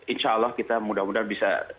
insya allah kita mudah mudahan bisa